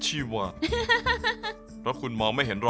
ซุปไก่เมื่อผ่านการต้มก็จะเข้มขึ้น